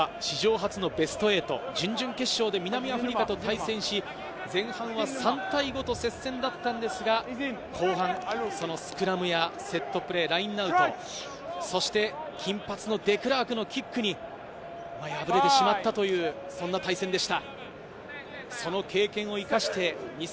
日本代表は１９年のワールドカップ全勝で、プール予選を突破、史上初のベスト８、準々決勝で南アフリカと対戦し、前半は３対５と接戦だったんですが、後半、そのスクラムやセットプレー、ラインアウトそして金髪のデクラークのキックに敗れてしまったという、そんな対戦でした。